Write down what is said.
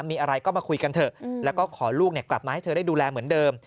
มีอะไรก็มาคุยกันเถอะแล้วก็ขอลูกกลับมาให้เธอได้ดูแลเหมือนเดิม